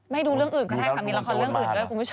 ให้ดูเรื่องอื่นก็ได้ค่ะมีละครเรื่องอื่นด้วยคุณผู้ชม